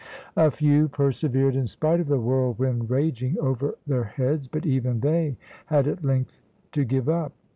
A few persevered, in spite of the whirlwind raging over their heads, but even they had at length to give up.